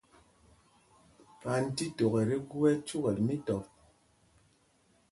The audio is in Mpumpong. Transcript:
Panjtítok ɛ tí gú ɛcúkɛl mítɔp.